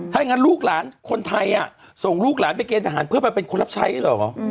ถ้าอย่างนั้นลูกหลานคนไทยส่งลูกหลานไปเกณฑหารเพื่อไปเป็นคนรับใช้เหรอ